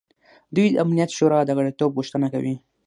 دوی د امنیت شورا د غړیتوب غوښتنه کوي.